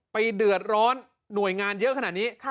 เดือดร้อนหน่วยงานเยอะขนาดนี้